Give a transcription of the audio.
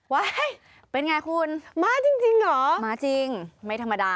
เป็นไงคุณมาจริงเหรอมาจริงไม่ธรรมดา